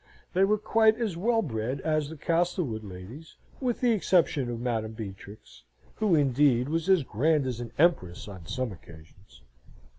They were quite as well bred as the Castlewood ladies, with the exception of Madam Beatrix (who, indeed, was as grand as an empress on some occasions).